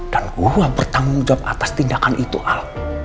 dan gue bertanggung jawab atas tindakan itu al